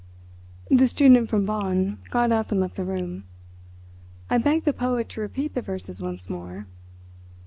The student from Bonn got up and left the room. I begged the poet to repeat the verses once more.